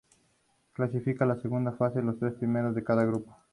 Clasifican a la segunda fase, los tres primeros de cada grupo.